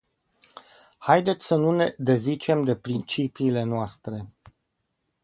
Haideți să nu ne dezicem de principiile noastre.